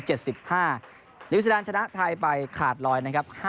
นิวซีแลนดชนะไทยไปขาดลอยนะครับ